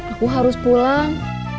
aku harus pulang